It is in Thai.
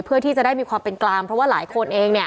เพื่อที่จะได้มีความเป็นกลางเพราะว่าหลายคนเองเนี่ย